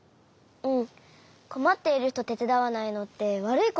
うん。